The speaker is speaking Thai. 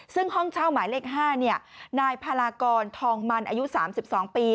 ซึ่งห้องเช่าหมายเลข๕นายพารากรทองมันอายุ๓๒ปี